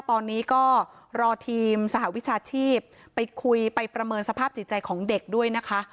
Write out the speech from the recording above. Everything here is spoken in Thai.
ตอนนี้ก็รอทีมสหวิชาชีพไปคุยไปประเมินสภาพจิตใจของเด็กด้วยนะคะ